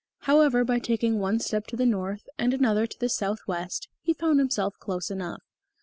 However, by taking one step to the north and another to the southwest, he found himself close enough.